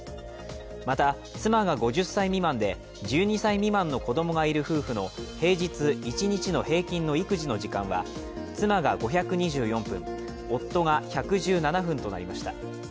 また、妻が５０歳未満で１２歳未満の子供がいる夫婦の平日１日の平均の育児の時間は妻が５２４分、夫が１１７分となりました。